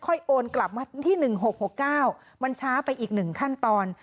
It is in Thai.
โอนกลับมาที่๑๖๖๙มันช้าไปอีก๑ขั้นตอน